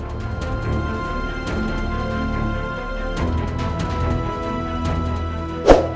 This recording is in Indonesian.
baiklah dia akan bersama aku